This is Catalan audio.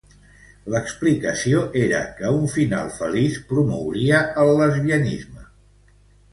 L'explicació era que un final feliç promouria el lesbianisme.